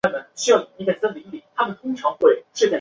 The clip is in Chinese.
为国际游泳总会和亚洲游泳总会的会员国。